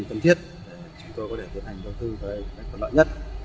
để chúng tôi có thể tiến hành đầu tư với phần lợi nhất